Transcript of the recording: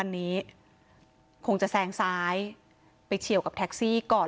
อันนี้คงจะแซงซ้ายไปเฉียวกับแท็กซี่ก่อน